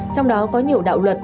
trong đó có nhiều đạo luật